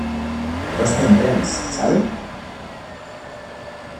dos centenes, ¿ sabe?